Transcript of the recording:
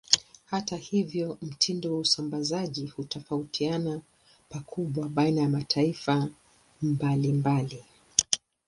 Hata hivyo, mtindo wa usambazaji hutofautiana pakubwa baina ya mataifa mbalimbali.